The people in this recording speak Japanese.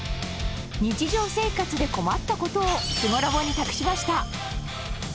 日常生活で困ったことを「すごロボ」に託しました。